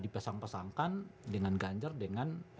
dipesang pesangkan dengan ganjar dengan